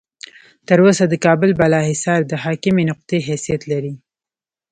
تر اوسه د کابل بالا حصار د حاکمې نقطې حیثیت لري.